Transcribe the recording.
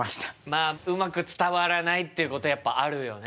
まあうまく伝わらないっていうことやっぱあるよね。